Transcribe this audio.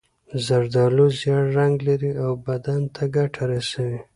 زردالو ژېړ رنګ لري او بدن ته ګټه رسوي.